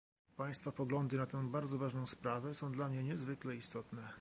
Państwa poglądy na tę bardzo ważną sprawę są dla mnie niezwykle istotne